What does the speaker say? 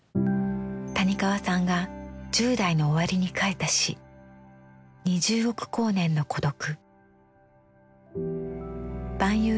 谷川さんが１０代の終わりに書いた詩「二十億光年の孤独」。